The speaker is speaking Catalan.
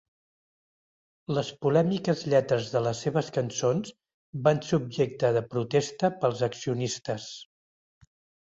Les polèmiques lletres de les seves cançons van ser objecte de protesta pels accionistes.